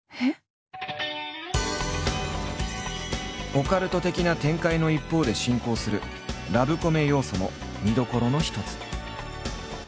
オカルト的な展開の一方で進行するラブコメ要素も見どころの一つ。